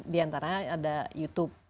di antaranya ada youtube